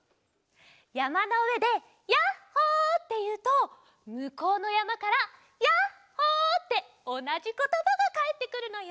やまのうえで「ヤッホー」っていうとむこうのやまから「ヤッホー」っておなじことばがかえってくるのよ。